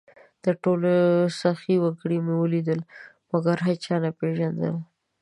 تر ټولو سخي وګړي مې ولیدل؛ مګر هېچا نه پېژندل،